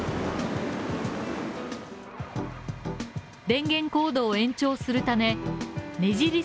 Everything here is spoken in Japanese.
電源コードを延長するためねじり